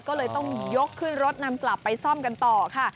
ก็เลยต้องยกขึ้นรถนำกลับไปซ่อมกันต่อค่ะ